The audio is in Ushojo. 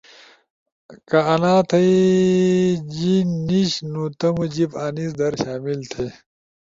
کا آنا تھئی جیِن نیِش نُو تمو جیب آنیس در شامل تھی۔